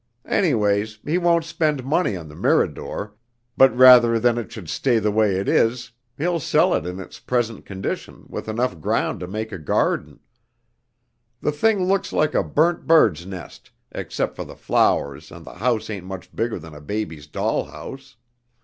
Anyways, he won't spend money on the Mirador, but rather than it should stay the way it is, he'll sell it in its present condition with enough ground to make a garden. The thing looks like a burnt bird's nest except for the flowers, and the house ain't much bigger than a baby doll's house.